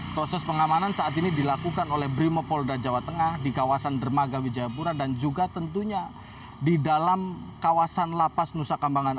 proses pengamanan saat ini dilakukan oleh brimopolda jawa tengah di kawasan dermaga wijayapura dan juga tentunya di dalam kawasan lapas nusa kambangan